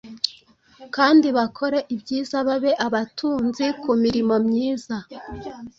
kandi bakore ibyiza, babe abatunzi ku mirimo myiza,